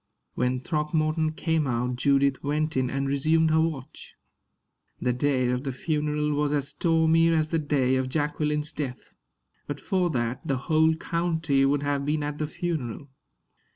When Throckmorton came out, Judith went in and resumed her watch. The day of the funeral was as stormy as the day of Jacqueline's death. But for that, the whole county would have been at the funeral.